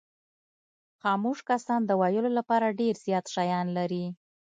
خاموش کسان د ویلو لپاره ډېر زیات شیان لري.